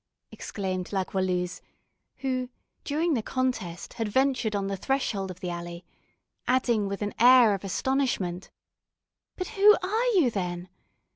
exclaimed La Goualeuse, who, during the contest, had ventured on the threshold of the alley, adding, with an air of astonishment, "But who are you, then?